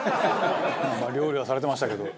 「料理はされてましたけど」